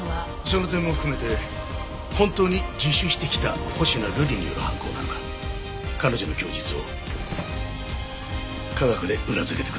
その点も含めて本当に自首してきた星名瑠璃による犯行なのか彼女の供述を科学で裏付けてくれ。